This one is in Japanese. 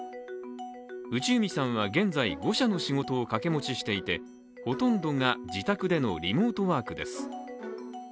内海さんは現在５社の仕事を掛け持ちしていて、ほとんどが自宅でのリモートワークです。